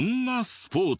スポーツ。